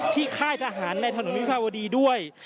ค่ายทหารในถนนวิภาวดีด้วย